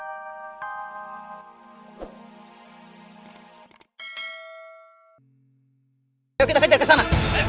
ayo kita pender kesana